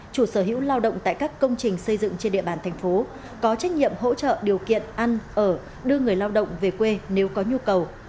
chủ sở hữu lao động tại các công trình xây dựng trên địa bàn thành phố có trách nhiệm hỗ trợ điều kiện ăn ở đưa người lao động về quê nếu có nhu cầu